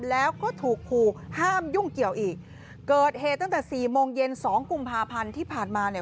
แล้วก็ถูกครูห้ามยุ่งเกี่ยวอีกเกิดเหตุตั้งแต่สี่โมงเย็นสองกุมภาพันธ์ที่ผ่านมาเนี่ย